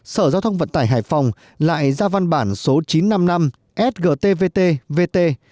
sở giao thông vận tải hải phòng lại ra văn bản số chín trăm năm mươi năm sgtvt vt